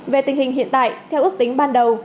về tình hình hiện tại theo ước tính ban đầu